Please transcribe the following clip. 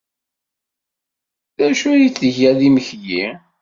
D acu ay d-tga d imekli?